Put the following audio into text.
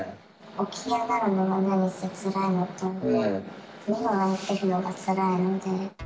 起き上がるのが何せつらいのと、目を開けているのがつらいので。